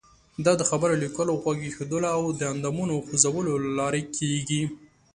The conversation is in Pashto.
دا د خبرو، لیکلو، غوږ ایښودلو او د اندامونو خوځولو له لارې کیږي.